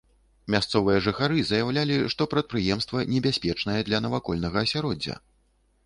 Мясцовыя жыхары заяўлялі, што прадпрыемства небяспечнае для навакольнага асяроддзя.